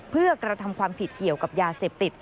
เพื่อกระทำความผิดเกี่ยวกับยาเสพติด